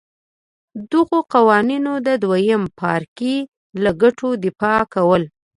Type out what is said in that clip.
دغو قوانینو د دویم پاړکي له ګټو دفاع کوله.